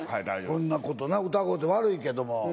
こんなことな疑うて悪いけども。